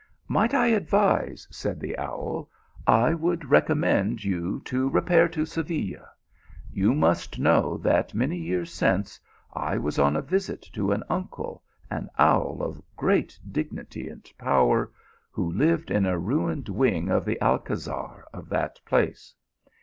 " Might I advise," said the owl, " I would recom mend you to repair to Seville. You must know that many years since I was on a visit to an uncle, an owl of great dignity and power, who lived in a ruined wing of the Alcazar of that place.